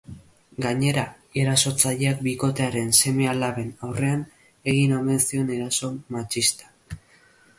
Gainera, erasotzaileak bikotearen seme-alaben aurrean egin omen zion eraso matxista.